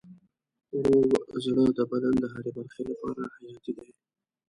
روغ زړه د بدن د هرې برخې لپاره حیاتي دی.